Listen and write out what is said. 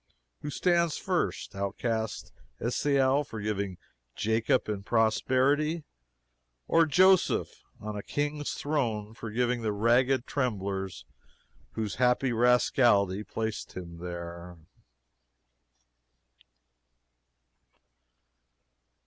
Who stands first outcast Esau forgiving Jacob in prosperity, or Joseph on a king's throne forgiving the ragged tremblers whose happy rascality placed him there?